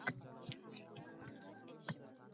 Ana, keltirishdi…